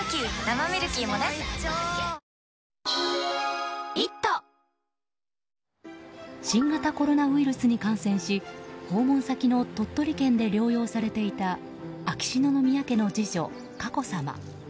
「クラフトボス」新型コロナウイルスに感染し訪問先の鳥取県で療養されていた秋篠宮家の次女・佳子さま。